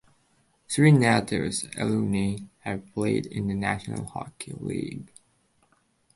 Three Natives alumni have played in the National Hockey League.